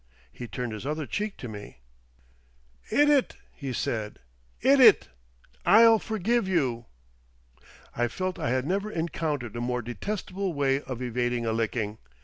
He turned his other cheek to me. "'It it," he said. "'It it. I'll forgive you." I felt I had never encountered a more detestable way of evading a licking.